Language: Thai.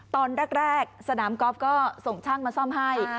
ตอนแรกสนามกอล์ฟก็ส่งช่างมาซ่อมให้